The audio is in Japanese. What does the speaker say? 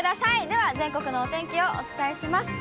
では全国のお天気をお伝えします。